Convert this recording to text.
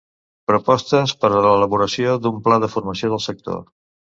Propostes per a l'elaboració d'un Pla de formació del sector.